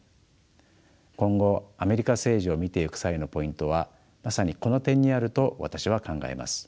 今後アメリカ政治を見てゆく際のポイントはまさにこの点にあると私は考えます。